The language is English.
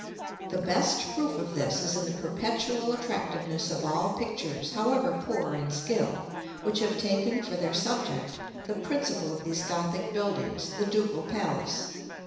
§ II. The best proof of this is in the perpetual attractiveness of all pictures, however poor in skill, which have taken for their subject the principal of these Gothic buildings, the Ducal Palace.